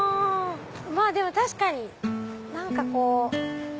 まぁでも確かに何かこう。